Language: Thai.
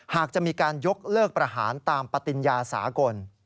หากจะมีการยกเลิกประหารตามปฏิญญาสากล